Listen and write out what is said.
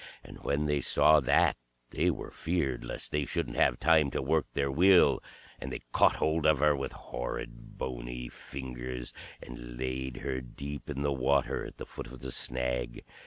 And when they saw that, they were feared lest they shouldn't have time to work their will; and they caught hold of her, with horrid bony fingers, and laid her deep in the water at the foot of the snag.